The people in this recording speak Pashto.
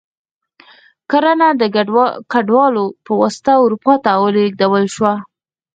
کرنه د کډوالو په واسطه اروپا ته ولېږدول شوه.